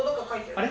あれ？